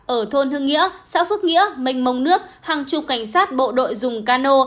ở thôn hưng nghĩa xã phước nghĩa mênh mông nước hàng chục cảnh sát bộ đội dùng cano